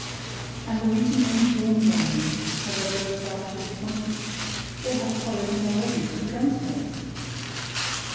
And the reason only dawned on me as I drove back disappointed: they had followed me already to the gunsmith's!